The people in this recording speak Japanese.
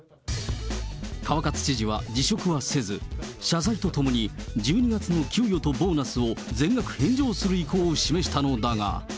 川勝知事は辞職はせず、謝罪とともに、１２月の給与とボーナスを全額返上する意向を示したのだが。